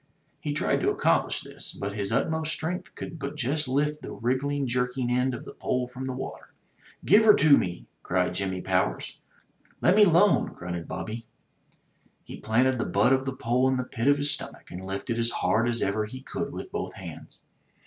He tried to accomplish this, but his utmost strength could but just lift the wriggling, jerking end of the pole from the water. Give her to me!'' cried Jimmy Powers. "Le' me 'lone,*' grunted Bobby. He planted the butt of the pole in the pit of his stomach, and lifted as hard as ever he could with both hands.